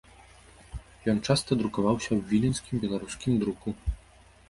Ён часта друкаваўся ў віленскім беларускім друку.